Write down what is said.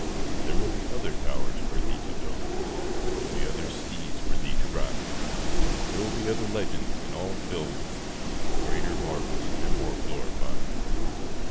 There will be other towers for thee to build; There will be other steeds for thee to ride; There will be other legends, and all filled With greater marvels and more glorified.